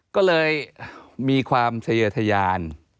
ก็เลยมีความเยอทยาน